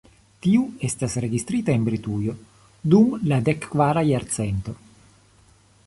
Tiu estas registrita en Britujo dum la dek kvara jarcento.